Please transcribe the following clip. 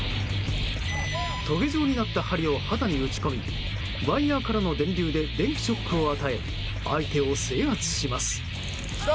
とげ状になった針を肌に打ち込みワイヤからの電流で電気ショックを与え相手を制圧します。